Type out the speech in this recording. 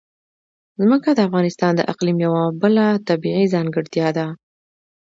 ځمکه د افغانستان د اقلیم یوه بله طبیعي ځانګړتیا ده.